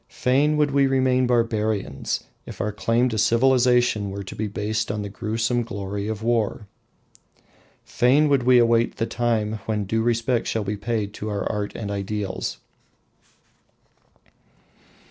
Fain would we remain barbarians, if our claim to civilisation were to be based on the gruesome glory of war. Fain would we await the time when due respect shall be paid to our art and ideals.